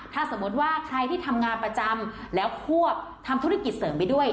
ถ้าสมมติว่าใครที่ทำงานประจำแล้วควบทำธุรกิจเสริมไปด้วย